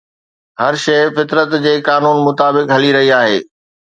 هر شيءِ فطرت جي قانون مطابق هلي رهي آهي.